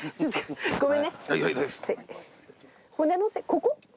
ここ？